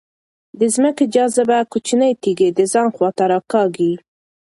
د ځمکې جاذبه کوچنۍ تیږې د ځان خواته راکاږي.